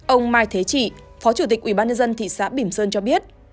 ông mai thế trị phó chủ tịch ubnd thị xã bỉm sơn cho biết